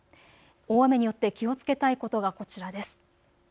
大雨によって気をつけたいことがこちらです。